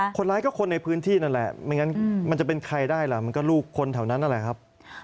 คนร้ายก็คนในพื้นที่นั่นแหละไม่งั้นมันจะเป็นใครได้ล่ะมันก็ลูกคนแถวนั้นนั่นแหละครับ